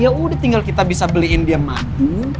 ya udah tinggal kita bisa beliin dia madu